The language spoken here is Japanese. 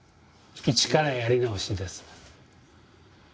一からやり直しです。